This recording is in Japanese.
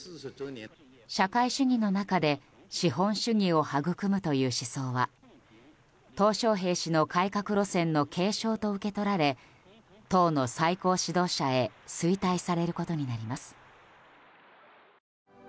社会主義の中で資本主義を育むという思想はトウ・ショウヘイ氏の改革路線の継承と受け取られ党の最高指導者へ推戴されることになります。